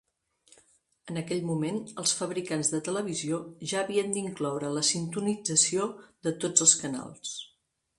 En aquell moment, els fabricants de televisió ja havien d'incloure la sintonització de tots els canals.